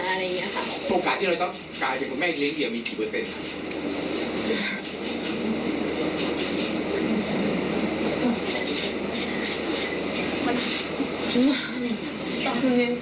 โฟกัสที่เราต้องกลายเป็นแม่เหลี่ยมีกี่เปอร์เซ็นต์